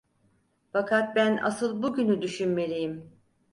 Fakat ben asıl bugünü düşünmeliyim.